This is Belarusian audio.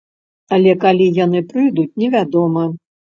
Але калі яны прыйдуць, невядома.